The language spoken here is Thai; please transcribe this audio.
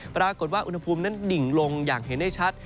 ปรากฏว่าอุณหภูมินั้นดิ่งลงอย่างเห็นได้ชัด